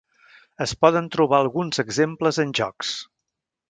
Es poden trobar alguns exemples en jocs.